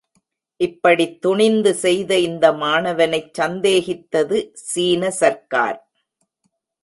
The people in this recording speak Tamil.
இப்படித் துணிந்து செய்த இந்த மாணவனைச் சந்தேகித்தது சீன சர்க்கார்.